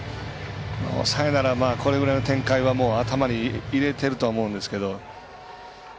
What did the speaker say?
抑えならこのぐらいの展開は頭に入れてると思いますけど。